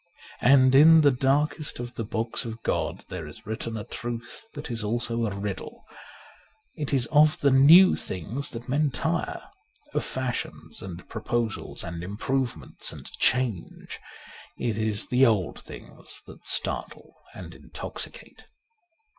And in the darkest of the books of God there is written a truth that is also a riddle. It is of the new things that men tire — of fashions and proposals and improvements and change. It is the old things that startle and intoxicate.